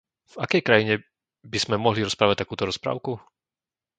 V akej krajine by sme mohli rozprávať takúto rozprávku?